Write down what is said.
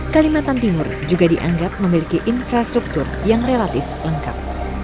kalimantan timur juga dianggap memiliki infrastruktur yang relatif lengkap